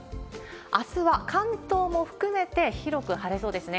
あすは関東も含めて広く晴れそうですね。